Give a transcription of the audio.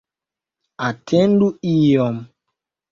Atendu iom!